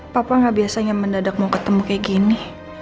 papa gak biasanya mendadak mau ketemu kayak gini